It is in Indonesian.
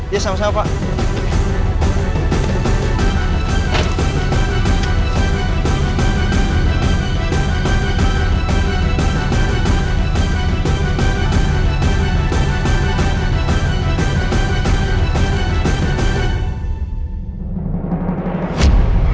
ya sama sama pak